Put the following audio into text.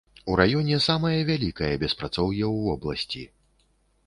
У раёне самае вялікае беспрацоўе ў вобласці.